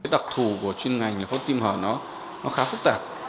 đặc thù của chuyên ngành phẫu thuật tim hở nó khá phức tạp